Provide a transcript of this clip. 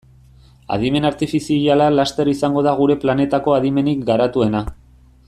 Adimen artifiziala laster izango da gure planetako adimenik garatuena.